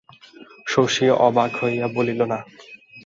শশী অবাক হইয়া বলিল, না।